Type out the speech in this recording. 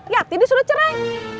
yati disuruh cerai